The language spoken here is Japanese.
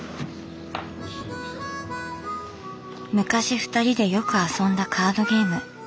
昔ふたりでよく遊んだカードゲーム。